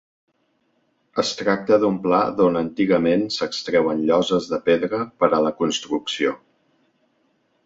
Es tracta d'un pla d'on antigament s'extreuen lloses de pedra per a la construcció.